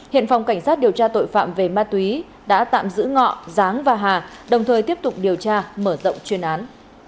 hiện phòng cảnh sát điều tra tội phạm về ma túy đã tạm giữ ngọ giáng và hà đồng thời tiếp tục điều tra mở rộng chuyên án